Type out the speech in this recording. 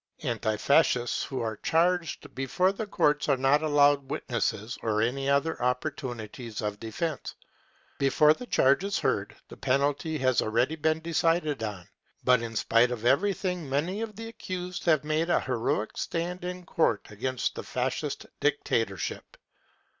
Anti Fascists who a fe charged before the courts are not allowed witnesses or any other opportunities of defence. Before the charge is heard, the penalty has already been decided on. But in spite of everything many of the accused have made a heroic stand in court against the Fascist dic tatorship.